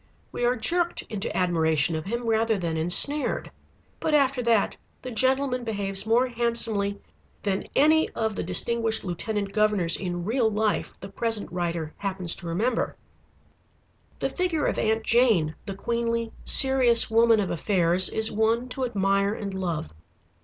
We are jerked into admiration of him, rather than ensnared. But after that the gentleman behaves more handsomely than any of the distinguished lieutenant governors in real life the present writer happens to remember. The figure of Aunt Jane, the queenly serious woman of affairs, is one to admire and love.